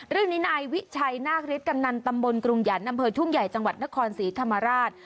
เรื่องนี้นายวิชัยนาคฤทธกำนันตำบลกรุงหยันต์อำเภอทุ่งใหญ่จังหวัดนครศรีธรรมราช